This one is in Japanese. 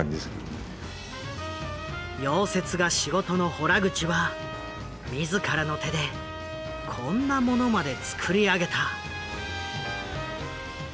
溶接が仕事の洞口は自らの手でこんなものまで造り上げた。